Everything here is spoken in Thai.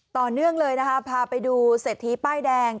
ต่อเนื่องเลยนะคะพาไปดูเศรษฐีป้ายแดง